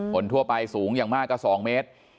คนทั่วไปสูงอย่างมากก็๒เมตร